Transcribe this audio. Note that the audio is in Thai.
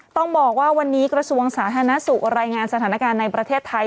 ต้องบอกว่าวันนี้กระทรวงสาธารณสุขรายงานสถานการณ์ในประเทศไทย